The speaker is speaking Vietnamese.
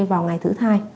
vào ngày thứ hai